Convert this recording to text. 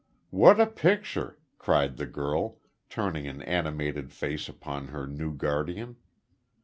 "What a picture!" cried the girl, turning an animated face upon her new guardian.